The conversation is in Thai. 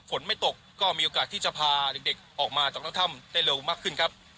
ฝนไม่ตกก็มีโอกาสที่จะพาเด็กออกมาจากนอกถ้ำได้เร็วมากขึ้นครับ